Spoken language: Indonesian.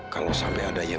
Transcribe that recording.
kalau sampai ada yang